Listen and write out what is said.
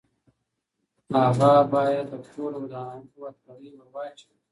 هغه باید د کور ودانولو هتکړۍ ورواچوي.